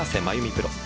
プロ